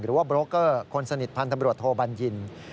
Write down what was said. หรือว่าโบรกเกอร์คนสนิทพันธบรวจโทบัญญิน